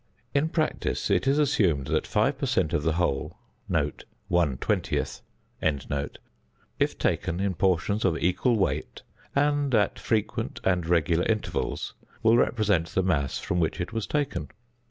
In practice it is assumed that 5 per cent. of the whole (= 1/20th), if taken in portions of equal weight and at frequent and regular intervals, will represent the mass from which it was taken.